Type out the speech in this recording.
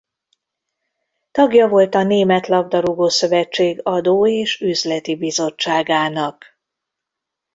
Tagja volt a Német labdarúgó-szövetség adó- és üzleti bizottságának.